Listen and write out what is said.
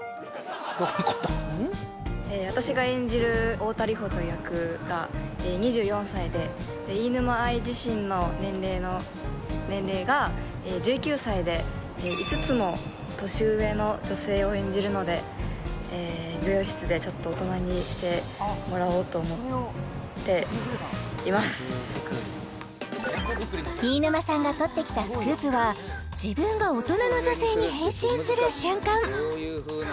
今私は私が演じる太田梨歩という役が２４歳で飯沼愛自身の年齢が１９歳で５つも年上の女性を演じるので美容室でちょっと飯沼さんが撮ってきたスクープは自分が大人の女性に変身する瞬間